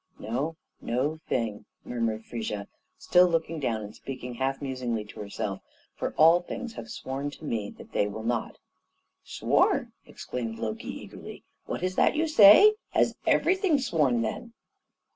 "No, no thing," murmured Frigga, still looking down and speaking half musingly to herself; "for all things have sworn to me that they will not." "Sworn!" exclaimed Loki, eagerly; "what is that you say? Has everything sworn then?"